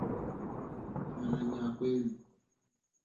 Mana nyia kwenu.